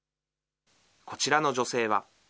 こちらの女性は。